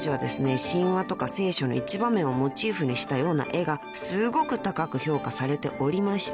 神話とか聖書の一場面をモチーフにしたような絵がすごく高く評価されておりまして］